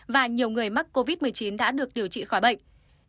và nhiều người mắc covid một mươi chín đã được điều trị khỏi bệnh